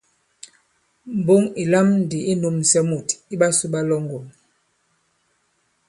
Mboŋ ì lam ndī i nūmsɛ mût iɓasū ɓa Lɔ̌ŋgòn.